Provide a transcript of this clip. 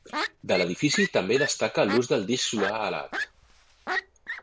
De l'edifici també destaca l'ús del disc solar alat.